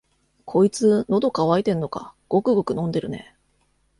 こいつ、のど渇いてんのか、ごくごく飲んでるね。